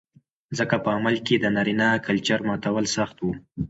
ځکه په عمل کې د نارينه کلچر ماتول سخت و